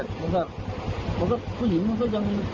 แทนแต่ขนาดยืนก็อย่างนี่